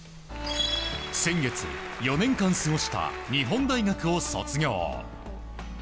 先月、４年間過ごした日本大学を卒業。